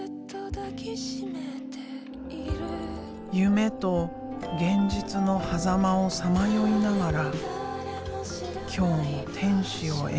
夢と現実のはざまをさまよいながら今日も天使を描く。